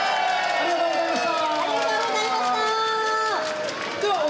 ありがとうございます。